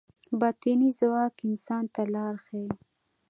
باطني ځواک انسان ته لار ښيي.